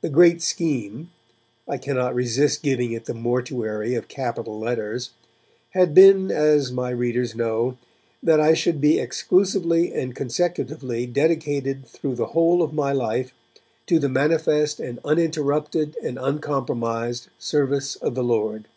The Great Scheme (I cannot resist giving it the mortuary of capital letters) had been, as my readers know, that I should be exclusively and consecutively dedicated through the whole of my life, 'to the manifest and uninterrupted and uncompromised service of the Lord'.